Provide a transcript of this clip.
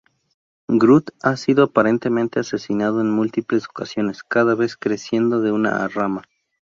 Groot ha sido aparentemente asesinado en múltiples ocasiones, cada vez creciendo de una rama.